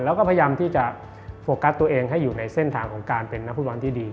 แล้วก็พยายามที่จะโฟกัสตัวเองให้อยู่ในเส้นทางของการเป็นนักฟุตบอลที่ดี